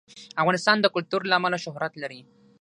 افغانستان د کلتور له امله شهرت لري.